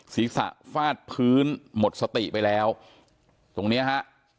ศีรษะฟาดพื้นหมดสติไปแล้วตรงเนี้ยฮะ